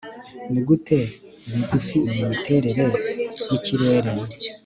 nigute bigufi iyi miterere yikirere